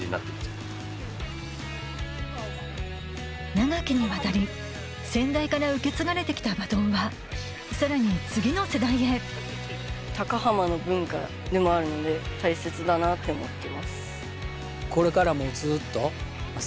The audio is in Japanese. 長きにわたり先代から受け継がれてきたバトンはさらに次の世代へいってもらって。